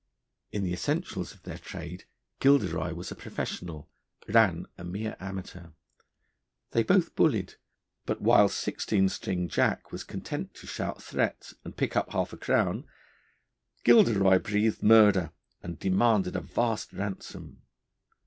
In the essentials of their trade Gilderoy was a professional, Rann a mere amateur. They both bullied; but, while Sixteen String Jack was content to shout threats, and pick up half a crown, Gilderoy breathed murder, and demanded a vast ransom.